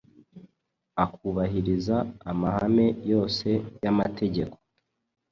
akubahiriza amahame yose y’amategeko.